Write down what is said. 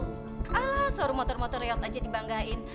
ala suruh motor motor reot aja dibanggain